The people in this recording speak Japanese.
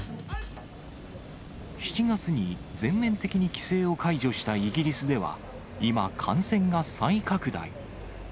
７月に全面的に規制を解除したイギリスでは、今、感染が再拡大。